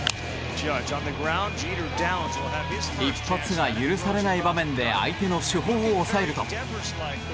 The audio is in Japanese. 一発が許されない場面で相手の主砲を抑えると。